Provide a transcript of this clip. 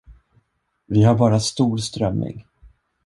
Vi har bara stor strömming.